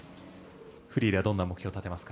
フリーではどんな目標を立てますか？